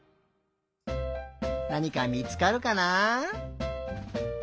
なにかみつかるかな？